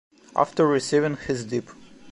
After receiving his Dip.